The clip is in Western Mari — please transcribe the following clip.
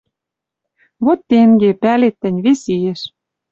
Вет тенге, пӓлет тӹнь, вес иэш